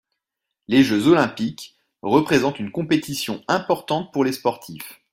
Les jeux olympiques représentent une compétition importante pour les sportifs.